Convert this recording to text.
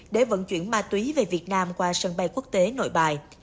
để vận chuyển ma túy về việt nam qua sân bay quốc tế nội bài